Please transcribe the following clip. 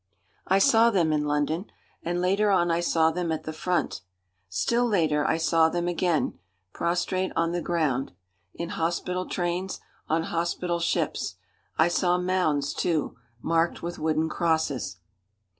I saw them in London, and later on I saw them at the front. Still later I saw them again, prostrate on the ground, in hospital trains, on hospital ships. I saw mounds, too, marked with wooden crosses.